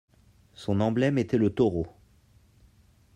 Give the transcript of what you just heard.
Son emblème était le taureau.